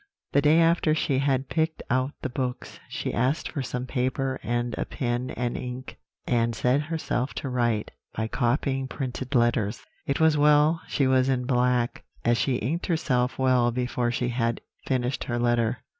"The day after she had picked out the books, she asked for some paper and a pen and ink, and set herself to write, by copying printed letters. It was well she was in black, as she inked herself well before she had finished her letter.